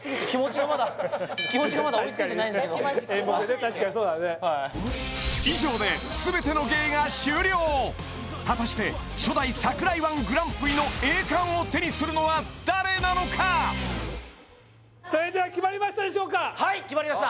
はい以上で全ての芸が終了果たして初代ＳＡＫＵＲＡＩ−１グランプリの栄冠を手にするのは誰なのかそれでは決まりましたでしょうかはい決まりました